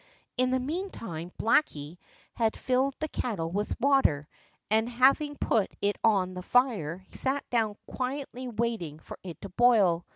In the mean time Blacky had filled the kettle with water, and having put it on the fire, sat down quietly waiting for it to boil.